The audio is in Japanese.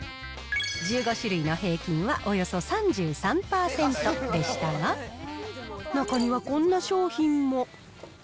１５種類の平均はおよそ３３％でしたが、中にはこんな商品も。